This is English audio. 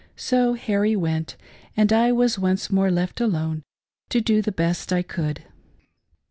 So Harry went, and I was once more left alone to do the best I could.